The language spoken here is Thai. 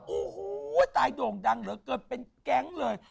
โอ้โหตายโด่งดังเหลือเกินเป็นแก๊งเลย